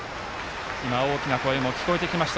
今、大きな声も聞こえてきました